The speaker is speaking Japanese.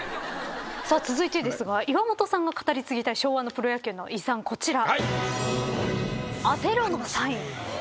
さあ続いてですが岩本さんが語り継ぎたい昭和のプロ野球の遺産こちら。